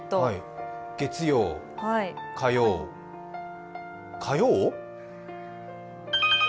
月曜、火曜火曜？